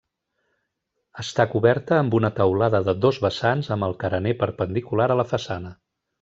Està coberta amb una teulada de dos vessants amb el carener perpendicular a la façana.